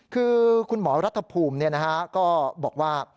คือคุณหมอรัฐภูมิก็บอกว่า